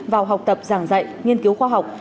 vào học tập giảng dạy nghiên cứu khoa học